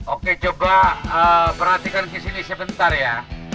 oke coba perhatikan kesini sebentar ya